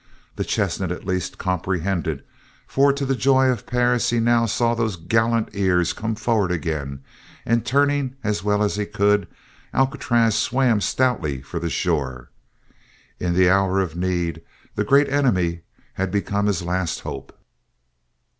The chestnut, at least, comprehended for to the joy of Perris he now saw those gallant ears come forward again, and turning as well as he could, Alcatraz swam stoutly for the shore. In the hour of need, the Great Enemy had become his last hope.